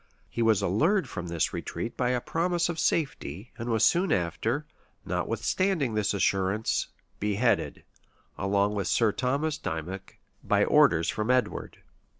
He was allured from this retreat by a promise of safety; and was soon after, notwithstanding this assurance, beheaded, along with Sir Thomas Dymoc, by orders from Edward.